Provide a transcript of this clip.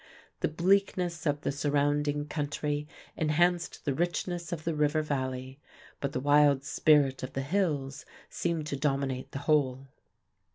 The bleakness of the surrounding country enhanced the richness of the river valley; but the wild spirit of the hills seemed to dominate the whole.